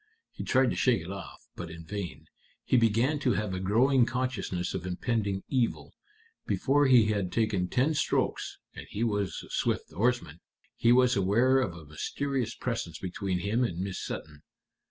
He tried to shake it off, but in vain. He began to have a growing consciousness of impending evil. Before he had taken ten strokes and he was a swift oarsman he was aware of a mysterious presence between him and Miss Sutton."